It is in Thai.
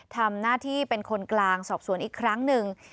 ทำหน้าที่เป็นคนกลางสอบสวนอีกครั้งหนึ่ง